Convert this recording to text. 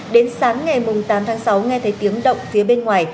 đến sáng ngày tám tháng sáu nghe thấy tiếng động phía bên ngoài